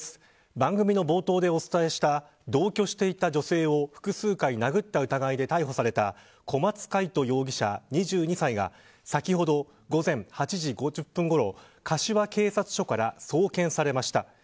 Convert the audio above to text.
番組の冒頭でお伝えした同居していた女性を複数回殴った疑いで逮捕された小松魁人容疑者２２歳が先ほど午前８時５０分ごろ柏警察署から送検されました。